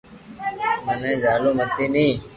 مني جھالو متي ني